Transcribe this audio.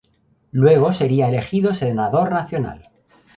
Luego sería elegido Senador Nacional.